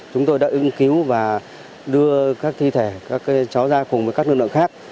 chúng tôi đã ứng cứu và đưa các thi thể các cháu ra cùng với các lực lượng khác